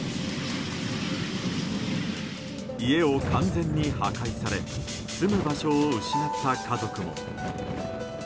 家を完全に破壊され住む場所を失った家族も。